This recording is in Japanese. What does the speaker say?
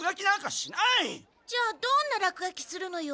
じゃあどんな落書きするのよ。